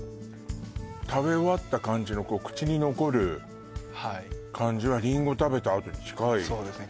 食べ終わった感じの口に残る感じはリンゴ食べたあとに近いそうですね